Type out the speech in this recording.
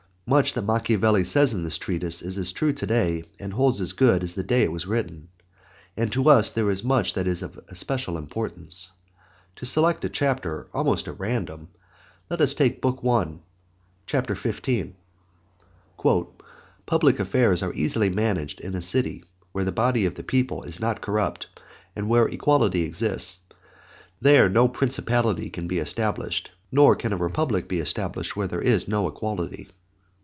Much that Machiavelli says in this treatise is as true to day and holds as good as the day it was written. And to us there is much that is of especial importance. To select a chapter almost at random, let us take Book I., Chap. XV.: "Public affairs are easily managed in a city where the body of the people is not corrupt; and where equality exists, there no principality can be established; nor can a republic be established where there is no equality."